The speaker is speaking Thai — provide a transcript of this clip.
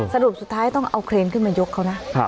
สรุปสุดท้ายต้องเอาเครนขึ้นมายกเขานะ